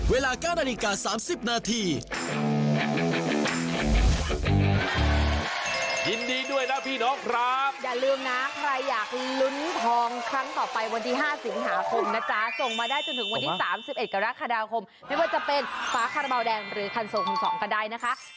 เวลาก้านอนิกา๓๐นาที